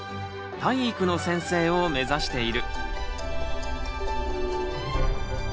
体育の先生を目指している。